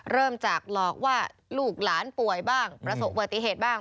เริ่มจากหลอกว่าลูกหลานป่วยบ้างประสบวัติเหตุบ้าง